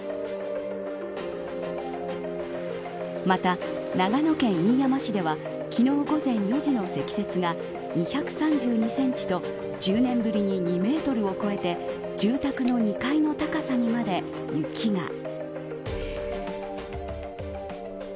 また、長野県飯山市では昨日午前４時の積雪が２３２センチと１０年ぶりに２メートルを超えて住宅の２階の高さにまで雪が。